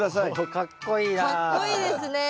かっこいいですねえ。